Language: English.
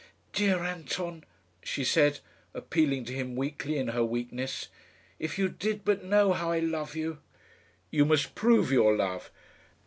"Dear Anton," she said, appealing to him weakly in her weakness, "if you did but know how I love you!" "You must prove your love."